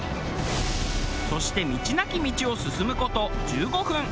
そして道なき道を進む事１５分。